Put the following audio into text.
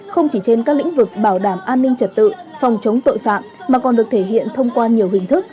không chỉ trên các lĩnh vực bảo đảm an ninh trật tự phòng chống tội phạm mà còn được thể hiện thông qua nhiều hình thức